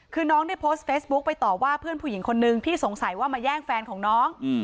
คือน้องได้โพสต์เฟซบุ๊คไปต่อว่าเพื่อนผู้หญิงคนนึงที่สงสัยว่ามาแย่งแฟนของน้อง